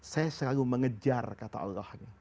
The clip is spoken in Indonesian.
saya selalu mengejar kata allah